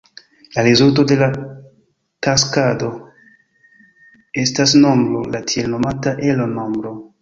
La rezulto de la taksado estas nombro, la tiel nomata Elo-nombro.